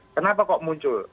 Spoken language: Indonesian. kenapa kok muncul